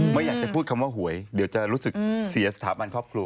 ไม่อยากจะพูดคำว่าหวยเดี๋ยวจะรู้สึกเสียสถาบันครอบครัว